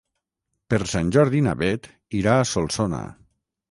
Per Sant Jordi na Bet irà a Solsona.